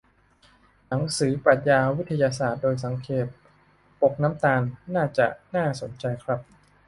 หนังสือ 'ปรัชญาวิทยาศาสตร์โดยสังเขป' ปกน้ำตาล น่าจะน่าสนใจครับ